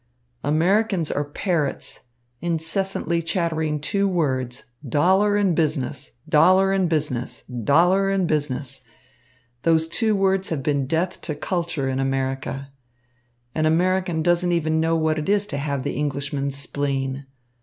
"Americans are parrots, incessantly chattering two words, dollar and business, dollar and business, dollar and business. Those two words have been death to culture in America. An American doesn't even know what it is to have the Englishman's spleen.